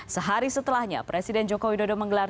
sehari setelahnya presiden joko widodo menggelar